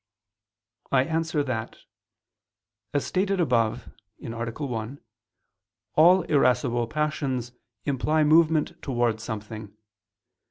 I answer that, As stated above (A. 1) all irascible passions imply movement towards something.